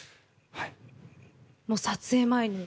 はい。